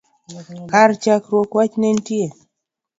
Kar chakruok wach ne ntie